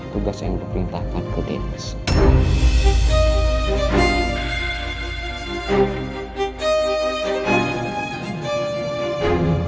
tugas yang diperintahkan ke dennis